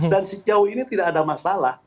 dan sejauh ini tidak ada masalah